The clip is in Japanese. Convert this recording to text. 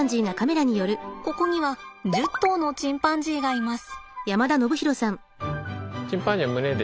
ここには１０頭のチンパンジーがいます。